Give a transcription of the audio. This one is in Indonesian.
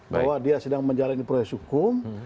bahwa dia sedang menjalani proses hukum